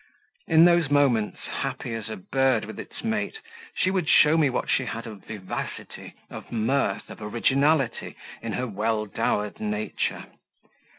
In those moments, happy as a bird with its mate, she would show me what she had of vivacity, of mirth, of originality in her well dowered nature.